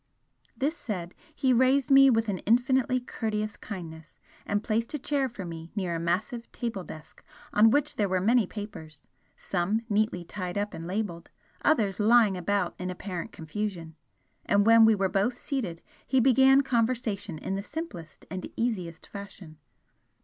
This said, he raised me with an infinitely courteous kindness, and placed a chair for me near a massive table desk on which there were many papers some neatly tied up and labelled, others lying about in apparent confusion and when we were both seated he began conversation in the simplest and easiest fashion.